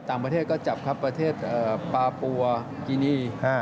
ต่างประเทศก็จับครับประเทศปาปัวกินี